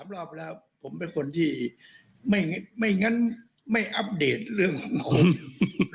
รอบแล้วผมเป็นคนที่ไม่งั้นไม่อัปเดตเรื่องของโควิด